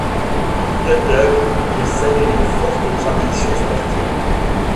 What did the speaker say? Tuttle possède une forte tradition sportive.